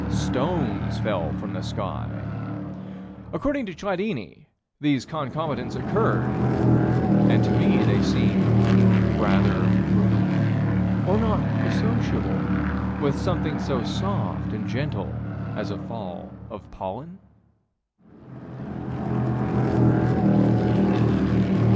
Stones fell from the sky. According to Chladni, these concomitants occurred, and to me they seem rather brutal? or not associable with something so soft and gentle as a fall of pollen?